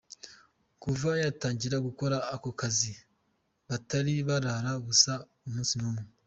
Kuva yatangira gukora ako kazi batari barara ubusa n’umunsi n’umwe.